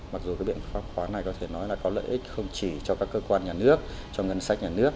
mặc dù cái biện pháp khoáng này có thể nói là có lợi ích không chỉ cho các cơ quan nhà nước cho ngân sách nhà nước